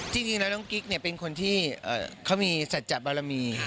จริงแล้วน้องกิ๊กเป็นคนที่เขามีสัจจะบารมี